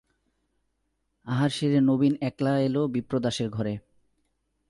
আহার সেরে নবীন একলা এল বিপ্রদাসের ঘরে।